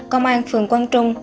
công an phường quang trung